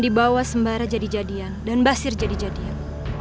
dibawa sembara jadi jadian dan basir jadi jadian